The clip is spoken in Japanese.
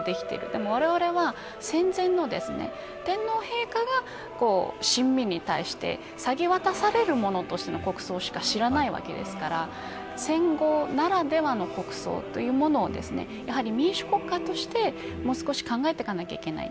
でも、われわれは戦前の天皇陛下が臣民に対して下げ渡されるものとしての国葬しか知らないわけですから戦後ならではの国葬というものをやはり、民主国家としてもう少し考えていかなければいけない。